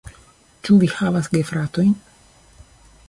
Ĉu vi havas gefratojn?